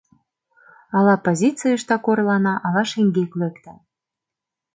Ала позицийыштак орлана, ала шеҥгек лектын.